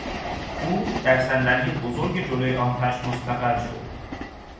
او در صندلی بزرگ جلو آتش مستقر شد.